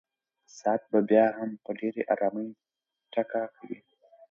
ساعت به بیا هم په ډېرې ارامۍ ټکا کوي.